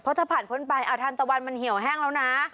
เพราะถ้าผ่านพ้นไปอาทารณ์ตะวันมันเหี่ยวแห้งแล้วนะ